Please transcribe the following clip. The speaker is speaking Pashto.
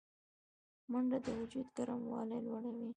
منډه د وجود ګرموالی لوړوي